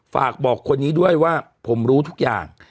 ฝากบอกคนนี้ด้วยว่าผมรู้ทุกอย่าง